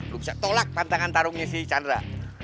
lo bisa tolak tantangan tantangnya si cahandre